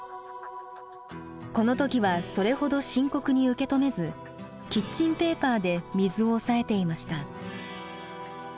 この時はそれほど深刻に受け止めずキッチンペーパーで水を押さえていました。